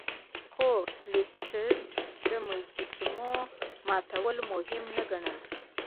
خو لیسټرډ د مجسمو ماتول مهم نه ګڼل.